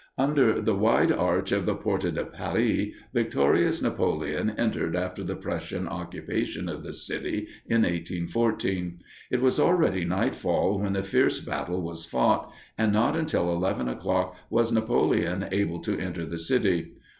Under the wide arch of the Porte de Paris victorious Napoleon entered after the Prussian occupation of the city in 1814. It was already nightfall when the fierce battle was fought, and not until eleven o'clock was Napoleon able to enter the city.